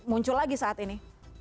muncul lagi saat ini